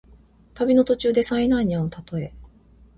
旅の途中で災難にあうたとえ。